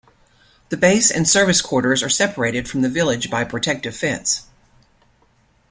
The base and Service quarters are separated from the village by a protective fence.